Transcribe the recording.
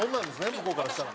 向こうからしたら。